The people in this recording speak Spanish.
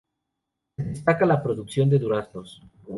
Se destaca la producción de duraznos.